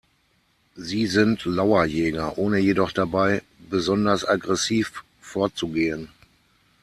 Sie sind Lauerjäger, ohne jedoch dabei besonders aggressiv vorzugehen.